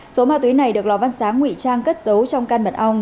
số ma túy này được lò văn sáng ngụy trang cất dấu trong can mật ong